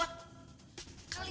kalian ini apaan sih